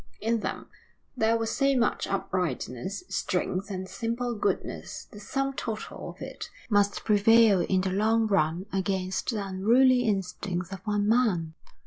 In them there was so much uprightness, strength, and simple goodness; the sum total of it must prevail in the long run against the unruly instincts of one man.